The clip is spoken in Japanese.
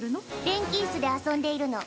電気椅子で遊んでいるの。